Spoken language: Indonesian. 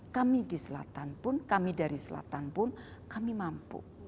kami di selatan pun kami dari selatan pun kami mampu